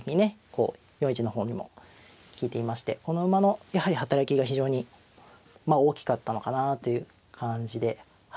こう４一の方にも利いていましてこの馬のやはり働きが非常に大きかったのかなという感じで。